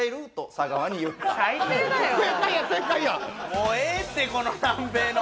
もうええってこの南米の。